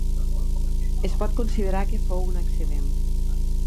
Es pot considerar que fou un accident.